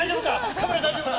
カメラ大丈夫か？